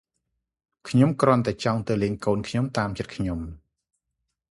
ខ្ញុំគ្រាន់តែចង់ទៅលេងកូនខ្ញុំតាមចិត្តខ្ញុំ ។